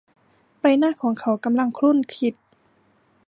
ใบหน้าของเขากำลังครุ่นคิด